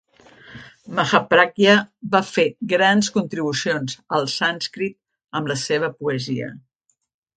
Mahapragya va fer grans contribucions al sànscrit amb la seva poesia.